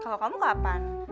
kalau kamu kapan